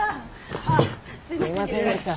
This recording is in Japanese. あっすいませんでした。